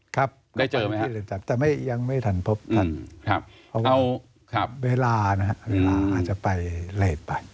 ครับได้เจอไหมครับแต่ยังไม่ทันพบทันเพราะว่าเวลานะเวลาอาจจะไปเร็บไป